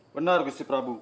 benar gusti prabu